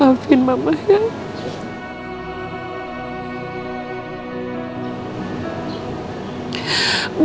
maafin mama karena mama gak tau apa masalah kamu